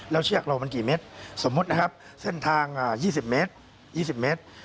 แล้วเชือกเรามันกี่เมตรสมมุตินะครับเส้นทาง๒๐เมตร๒๐เมตร